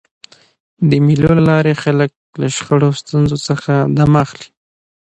د مېلو له لاري خلک له شخړو او ستونزو څخه دمه اخلي.